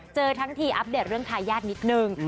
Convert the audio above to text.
เจอทั้งทีอัปเดตเรื่องทายาทนิดนึง